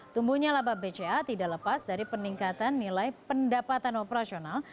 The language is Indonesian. tumbuhnya laba bca tidak lepas dari peningkatan nilai pendapatan operasional